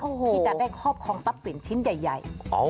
ที่จะได้ครอบครองทรัพย์สินชิ้นใหญ่